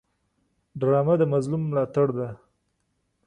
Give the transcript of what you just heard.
ډرامه د مظلوم ملاتړ ده